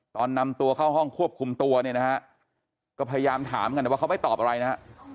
ตอนนำตัวเข้าห้องควบคุมตัวเนี่ยนะฮะก็พยายามถามกันแต่ว่าเขาไม่ตอบอะไรนะฮะ